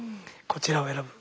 こちらを選ぶ。